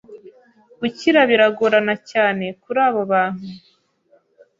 gukira biragorana cyane kuri abo bantu